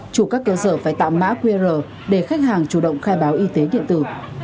chủ các cơ sở phải tạm mã qr để khách hàng chủ động khai báo y tế điện tử